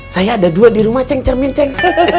saya ada dua di rumah ceng cermin ceng